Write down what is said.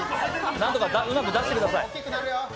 なんとかうまく出してください。